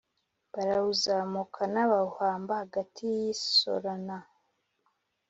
barawuzamukana bawuhamba hagati y i Sora na